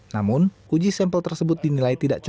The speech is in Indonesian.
namun uji sampel tersebut dinilai tidak cukup